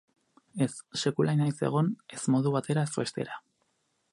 Ez, sekula ez naiz egon, ez modu batera ez bestera.